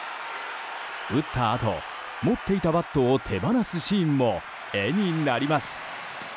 打ったあと、持っていたバットを手放すシーンも画になります。